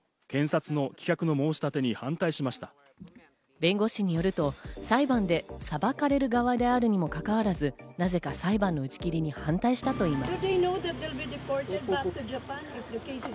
弁護士によると、裁判で裁かれる側であるにもかかわらず、何故か裁判の打ち切りに反対したといいます。